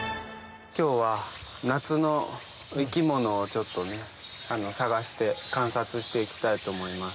今日は夏の生き物をちょっとね探して観察していきたいと思います。